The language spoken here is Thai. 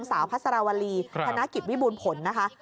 สาวพระสารวรีคณะกิจวิบูรณ์ผลนะคะ